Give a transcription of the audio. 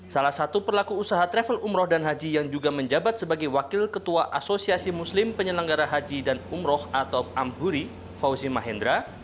salah satu pelaku usaha travel umroh dan haji yang juga menjabat sebagai wakil ketua asosiasi muslim penyelenggara haji dan umroh atau amhuri fauzi mahendra